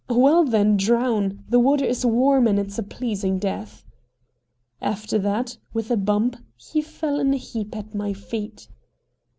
"Well, then, drown! The water is warm and it's a pleasing death." At that, with a bump, he fell in a heap at my feet.